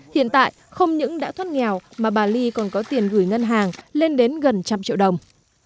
hiện tại không những đã thoát nghèo mà bà ly còn có tiền gửi ngân hàng lên đến gần trăm triệu đồng